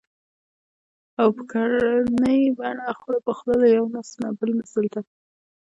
او په ګړنۍ بڼه خوله په خوله له يوه نسل نه بل نسل ته